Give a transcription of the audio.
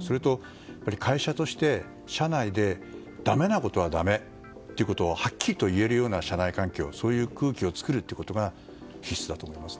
それと、会社として社内で、だめなことはだめだとはっきりと言えるような社内環境そういう空気を作るということが必須だと思います。